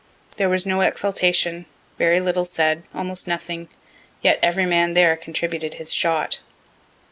There was no exultation, very little said, almost nothing, yet every man there contributed his shot.